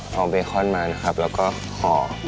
เอาเบคอนมานะครับแล้วก็ห่อ